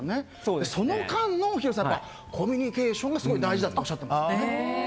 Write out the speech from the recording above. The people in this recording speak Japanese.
その間のコミュニケーションが大事だっておっしゃっていました。